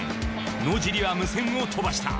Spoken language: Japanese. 野尻は無線を飛ばした。